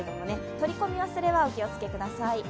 取り込み忘れはお気をつけください。